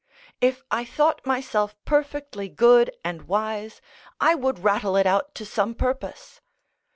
If I thought myself perfectly good and wise, I would rattle it out to some purpose.